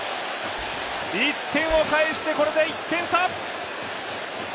１点を返して、これで１点差。